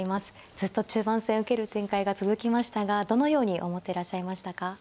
ずっと中盤戦受ける展開が続きましたがどのように思っていらっしゃいましたか。